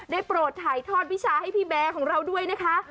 โปรดถ่ายทอดวิชาให้พี่แบร์ของเราด้วยนะคะ